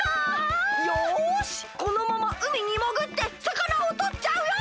よしこのままうみにもぐってさかなをとっちゃうよ。